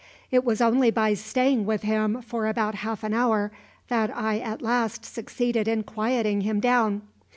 It was only by staying with him for about half an hour that I at last succeeded in quieting him down.